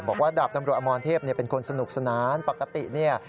บอกว่าดาบตำรวจอมรเทพเป็นคนสนุกสนานปกติ